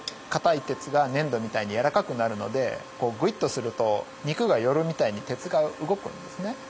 硬い鉄が粘土みたいに柔らかくなるのでグイッとすると肉が寄るみたいに鉄が動くんですね。